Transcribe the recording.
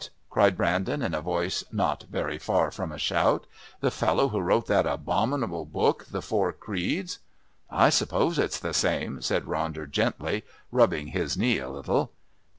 cried Brandon in a voice not very far from a shout. "The fellow who wrote that abnominable book, The Four Creeds?" "I suppose it's the same," said Ronder gently, rubbing his knee a little.